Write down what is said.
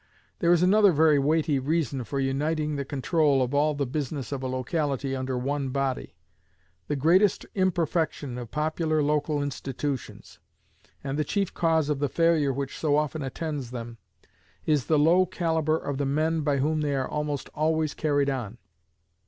There is another very weighty reason for uniting the control of all the business of a locality under one body. The greatest imperfection of popular local institutions, and the chief cause of the failure which so often attends them, is the low calibre of the men by whom they are almost always carried on.